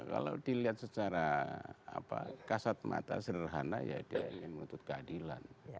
kalau dilihat secara kasat mata sederhana ya dia ingin menuntut keadilan